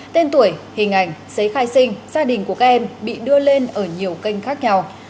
tên tuổi hình ảnh giấy khai sinh gia đình của các em bị đưa lên ở nhiều kênh khác nhau